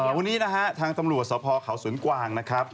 วันนี้นะฮะทางตำรวจสภเขาสวนกวางนะครับ